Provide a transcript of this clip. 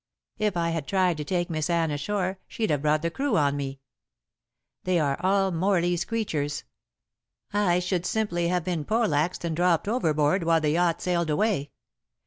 If I had tried to take Miss Anne ashore, she'd have brought the crew on me. They are all Morley's creatures. I should simply have been poleaxed and dropped overboard, while the yacht sailed away.